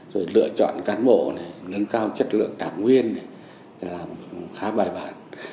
rồi lựa chọn cán bộ nâng cao chất lượng đảng nguyên làm khá bài bản